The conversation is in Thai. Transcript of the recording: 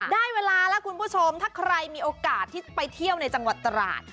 ได้เวลาแล้วคุณผู้ชมถ้าใครมีโอกาสที่จะไปเที่ยวในจังหวัดตราด